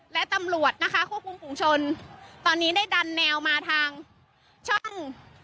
และตำรวจนะคะควบคุมฝุงชนตอนนี้ได้ดันแนวมาทางช่อง